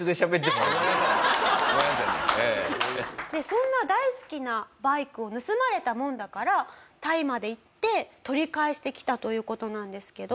そんな大好きなバイクを盗まれたもんだからタイまで行って取り返してきたという事なんですけど。